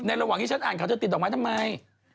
ระหว่างที่ฉันอ่านเขาจะติดดอกไม้ทำไม